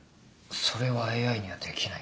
それはＡＩにはできないか。